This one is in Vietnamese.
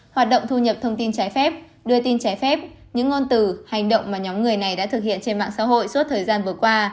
hoạt động thu nhập thông tin trái phép đưa tin trái phép những ngôn từ hành động mà nhóm người này đã thực hiện trên mạng xã hội suốt thời gian vừa qua